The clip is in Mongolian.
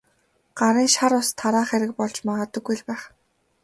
Гарын шар ус тараах хэрэг болж магадгүй л байх.